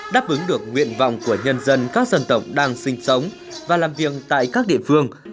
đáp ứng được nguyện vọng của nhân dân các dân tộc đang sinh sống và làm việc tại các địa phương